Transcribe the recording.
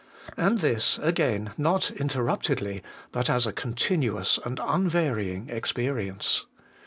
And this, again, not interruptedly, but as a continuous and unvarying experience.